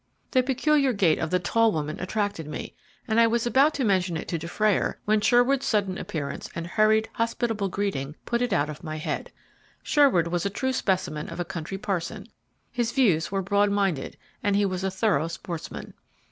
The peculiar gait of the tall woman attracted me, and I was about to mention it to Dufrayer, when Sherwood's sudden appearance and hurried, hospitable greeting put it out of my head. Sherwood was a true specimen of a country parson; his views were broad minded, and he was a thorough sportsman.